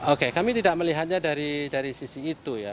oke kami tidak melihatnya dari sisi itu ya